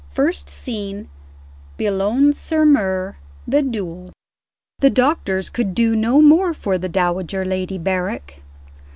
FIRST SCENE. BOULOGNE SUR MER. THE DUEL. I. THE doctors could do no more for the Dowager Lady Berrick.